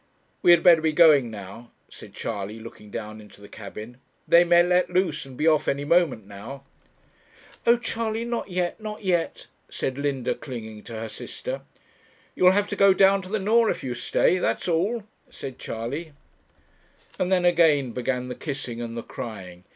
'We had better be going now,' said Charley, looking down into the cabin; 'they may let loose and be off any moment now.' 'Oh, Charley, not yet, not yet,' said Linda, clinging to her sister. 'You'll have to go down to the Nore, if you stay; that's all,' said Charley. And then again began the kissing and the crying.